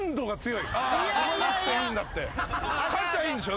勝ちゃいいんでしょ？